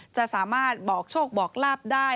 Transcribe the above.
จะสามารถบอกโชคบอกลาบได้